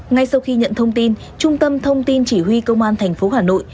ngay sau khi nhận thông tin trung tâm thông tin chỉ huy công an tp hà nội